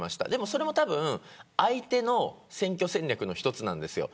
それも、たぶん相手の選挙戦略の一つなんです。